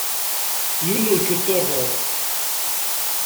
Yiwen ur k-yettḍurru.